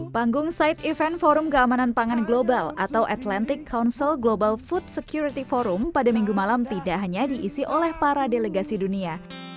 panggung side event forum keamanan pangan global atau atlantic council global food security forum pada minggu malam tidak hanya diisi oleh para delegasi dunia